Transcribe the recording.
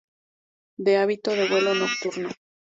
De hábito de vuelo nocturno.